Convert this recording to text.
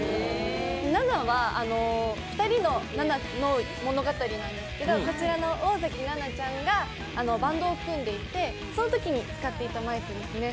ナナは二人のナナの物語なんですけどこちらの大崎ナナちゃんがバンドを組んでいてそのときに使っていたマイクですね。